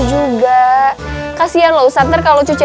ngapain sih kamu disini ah